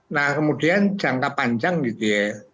nah kemudian jangka panjang gitu ya